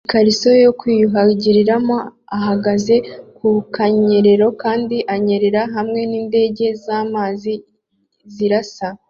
ikariso yo kwiyuhagiriramo ahagaze ku kanyerera kandi anyerera hamwe n'indege z'amazi zirasa